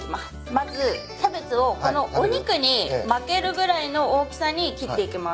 まずキャベツをこのお肉に巻けるぐらいの大きさに切っていきます。